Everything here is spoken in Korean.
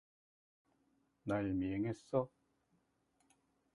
날 미행했어?